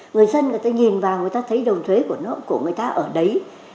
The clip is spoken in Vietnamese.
người dân người ta nhìn vào người ta thấy đồng thuế của người ta ở đấy